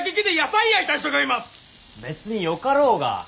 別によかろうが。